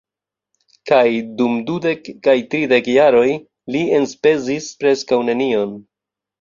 Kaj, dum dudek kaj tridek jaroj, li enspezis preskaŭ nenion.